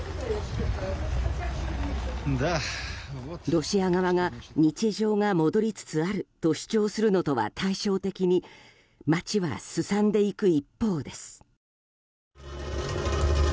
ロシア側が日常が戻りつつあると主張するのと対照的に街はすさんでいく一方です。